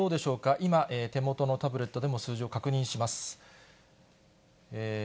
今、手元のタブレットでも数字を確認します。